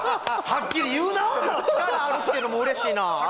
はっきり言うな。